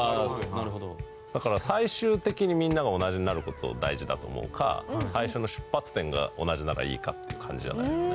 だから最終的にみんなが同じになる事を大事だと思うか最初の出発点が同じならいいかっていう感じじゃないですかね。